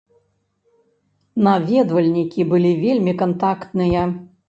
Наведвальнікі былі вельмі кантактныя.